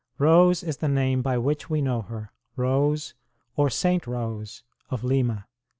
Rose is the name by which we know her Rose, or St. Rose, of Lima.